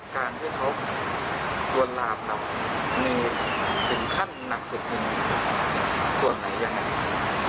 การที่เขาหลวงหลาบเรามีถึงขั้นหนักสุดยิ่งส่วนไหนอย่างนั้น